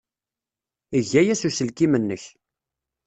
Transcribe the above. Eg aya s uselkim-nnek.